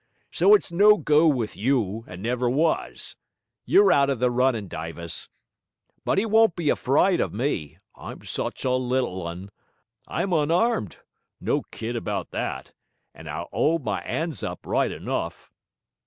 So it's no go with you, and never was; you're out of the runnin', Dyvis. But he won't be afryde of me, I'm such a little un! I'm unarmed no kid about that and I'll hold my 'ands up right enough.'